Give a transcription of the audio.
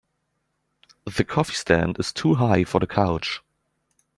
The coffee stand is too high for the couch.